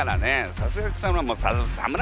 さすが草村！